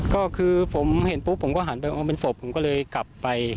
ก็คือผมเห็นปุ๊บผมก็หันไปมองเป็นศพผมก็เลยกลับไป